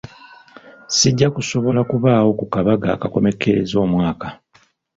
Sijja kusobola kubaawo ku kabaga akakomekkereza omwaka.